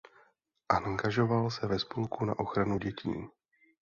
Angažoval se ve spolku na ochranu dětí.